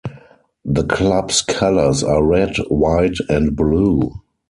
The club's colors are red, white and blue.